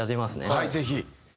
はいぜひ。